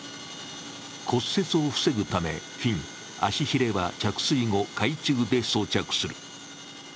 骨折を塞ぐため、フィン、足ひれは着水後、海中で装着する。